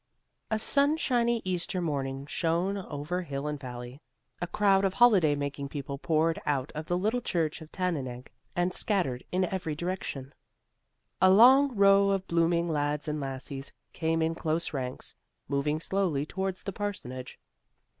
A sunshiny Easter morning shone over hill and valley. A crowd of holiday making people poured out of the little church at Tannenegg, and scattered in every direction. A long row of blooming lads and lassies came in close ranks, moving slowly towards the parsonage.